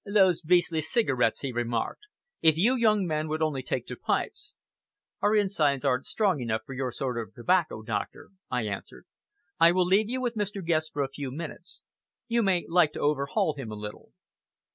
"Those beastly cigarettes," he remarked. "If you young men would only take to pipes!" "Our insides aren't strong enough for your sort of tobacco, doctor," I answered. "I will leave you with Mr. Guest for a few minutes. You may like to overhaul him a little."